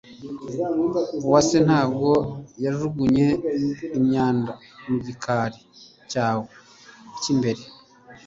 Uwase ntabwo yajugunye imyanda mu gikari cyawe cy'imbere